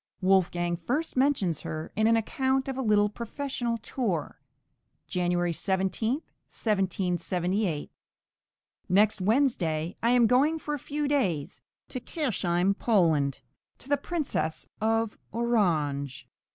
Wolfgang first mentions her in an account of a little professional tour (January 17, 1778) Next Wednesday I am going for a few days to Kirchheim Poland, to the Princess of Orange (p.